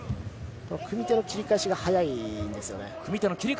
組み手の切り返しが速いんですよね。